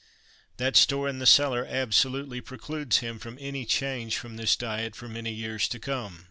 That store in the cellar absolutely precludes him from any change from this diet for many years to come.